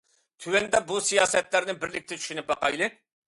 تۆۋەندە بۇ سىياسەتلەرنى بىرلىكتە چۈشىنىپ باقايلى!